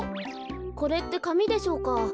これってかみでしょうか？